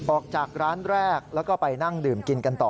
ออกจากร้านแรกแล้วก็ไปนั่งดื่มกินกันต่อ